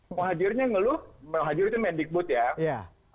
muhajirnya yang leluhur muhajir itu mendikbud ya